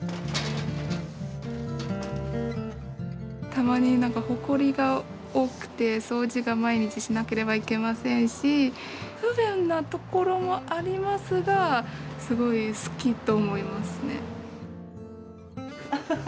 たまに何かほこりが多くて掃除が毎日しなければいけませんし不便なところもありますがすごい好きと思いますね。